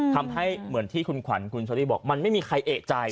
ทำให้เหมือนที่คุณขวัญคุณเชอรี่บอกมันไม่มีใครเอกใจ